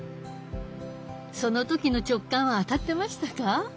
その時の直感は当たってましたか？